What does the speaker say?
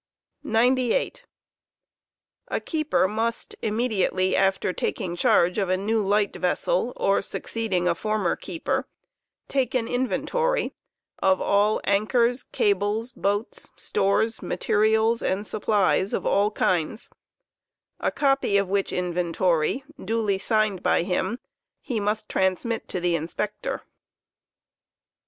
9& A keeper must, immediately after taking charge of a new light vessel or sue Memory, ©ceding a former keeper, take au inventory of all anchors, cables, boats, stores, mate I and supplies of all kinds; a copy of which inventory, duly signed by him, he must to the Inspector.